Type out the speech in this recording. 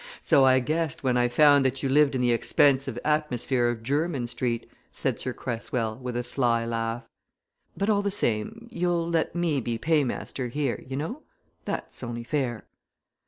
"So I guessed when I found that you lived in the expensive atmosphere of Jermyn Street," said Sir Cresswell, with a sly laugh. "But all the same, you'll let me be paymaster here, you know that's only fair."